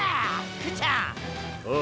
福ちゃん！